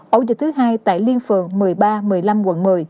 ổ dịch thứ hai tại liên phường một mươi ba một mươi năm quận một mươi